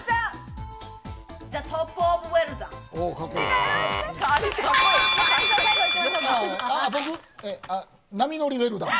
トップオブウェルダン。